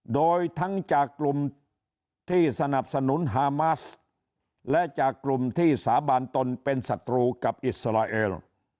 โดยทั้งจากกลุ่มที่สนับสนุนฮามาสและจากกลุ่มที่สาบานตนเป็นศัตรูกับอิสราเอล